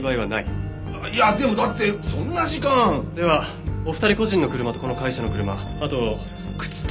いやでもだってそんな時間！ではお二人個人の車とこの会社の車あと靴と。